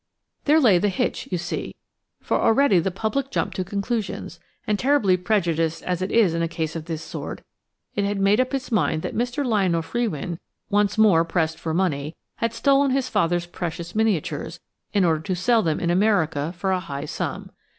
There lay the hitch, you see, for already the public jumped to conclusions, and, terribly prejudiced as it is in a case of this sort, it had made up its mind that Mr. Lionel Frewin, once more pressed for money, had stolen his father's precious miniatures in order to sell them in America for a high sum.